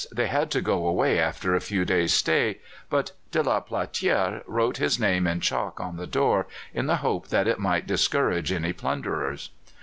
they had to go away after a few days' stay, but de la Platière wrote his name in chalk on the door, in the hope that it might discourage any plunderers.